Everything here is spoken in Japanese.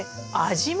味も？